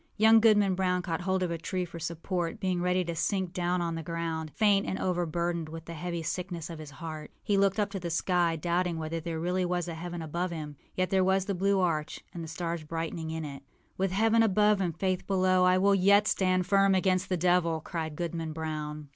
Young Goodman Brown caught hold of a tree for support, being ready to sink down on the ground, faint and overburdened with the heavy sickness of his heart. He looked up to the sky, doubting whether there really was a heaven above him. Yet there was the blue arch, and the stars brightening in it. âWith heaven above and Faith below, I will yet stand firm against the devil!â cried Goodman Brown.